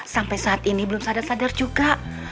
sampai saat ini belum sadar sadar juga